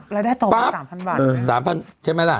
รายได้ต่อวัน๓พันบาทพับ๓พันใช่ไหมล่ะ